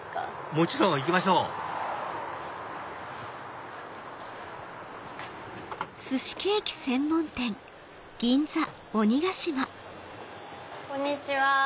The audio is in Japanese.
もちろん！行きましょうこんにちは。